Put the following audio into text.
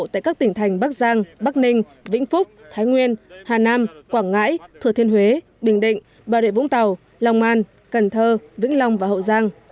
tại các tỉnh thành bắc giang bắc ninh vĩnh phúc thái nguyên hà nam quảng ngãi thừa thiên huế bình định bà rịa vũng tàu lòng an cần thơ vĩnh long và hậu giang